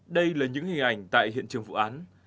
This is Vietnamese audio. đây là những hình ảnh tại hiện trường vụ án